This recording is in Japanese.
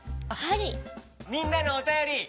みんなのおたより。